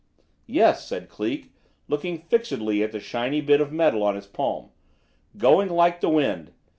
"Yes," said Cleek, looking fixedly at the shining bit of metal on his palm; "going like the wind.